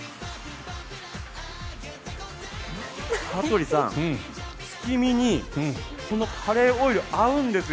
羽鳥さん、月見にこのカレーオイル合うんですよ。